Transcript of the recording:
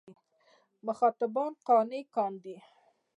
مخاطبان قانع کاندي.